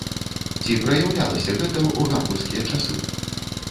Ці праяўлялася гэта ў гамбургскія часы?